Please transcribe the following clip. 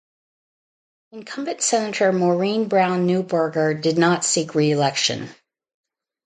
Incumbent Senator Maurine Brown Neuberger did not seek re-election.